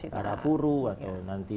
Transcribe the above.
tarapuru atau nanti